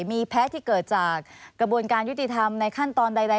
มีแพ้ที่เกิดจากกระบวนการยุติธรรมในขั้นตอนใด